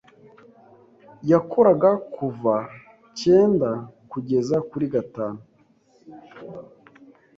Yakoraga kuva cyenda kugeza kuri gatanu.